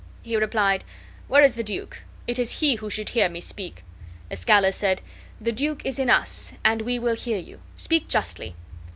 He replied: "Where is the duke? It is he who should hear me speak." Escalus said: "The duke is in us, and we will hear you. Speak justly."